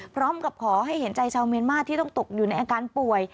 พร้อมกับขอให้เห็นใจชาวเมียนมาร์ที่ต้องตกอยู่ในอาการป่วย